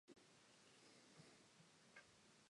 Then some old soldiers got through to me on the phone.